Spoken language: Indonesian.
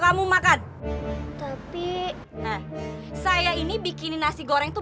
ibu masih punya lulu